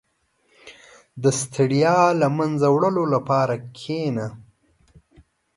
• د ستړیا له منځه وړلو لپاره کښېنه.